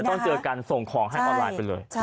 ต้องเจอกันส่งของให้ออนไลน์ไปเลย